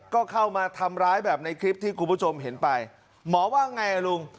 ก็เข้ามาทำร้ายแบบในคลิปที่คุณผู้ชมเห็นไปหมอว่าไงอ่ะลุง